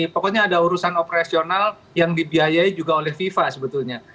pokoknya ada urusan operasional yang dibiayai juga oleh fifa sebetulnya